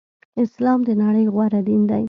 اسلام د نړی غوره دین دی.